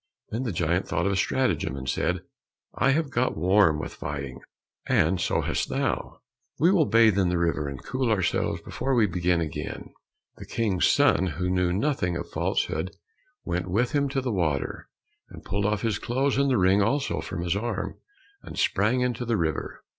Then the giant thought of a stratagem, and said, "I have got warm with fighting, and so hast thou. We will bathe in the river, and cool ourselves before we begin again." The King's son, who knew nothing of falsehood, went with him to the water, and pulled off with his clothes the ring also from his arm, and sprang into the river.